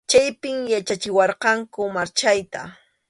Chaypi yachachiwarqanku marchayta.